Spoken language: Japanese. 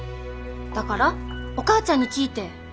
だからお母ちゃんに聞いて。